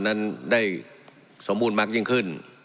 นั้นได้สมบูรณ์มากยิ่งขึ้น